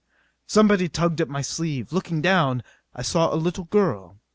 Somebody tugged at my sleeve. Looking down I saw a little girl.